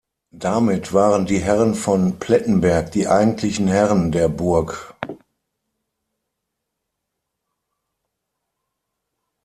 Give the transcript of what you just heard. Damit waren die Herren von Plettenberg die eigentlichen Herren der Burg.